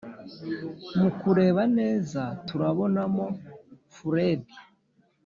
mukureba neza turabona mo furedi